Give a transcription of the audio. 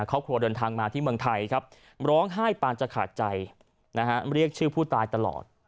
ครอบครัวเดินทางมาที่เมืองไทยครับร้องไห้ปานจะขาดใจนะฮะเรียกชื่อผู้ตายตลอด